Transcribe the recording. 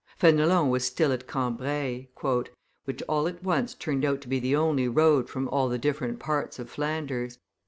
Fenelon was still at Cambrai, "which all at once turned out to be the only road from all the different parts of Flanders.